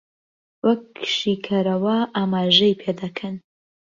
وەک شیکەرەوە ئاماژەی پێ دەکەن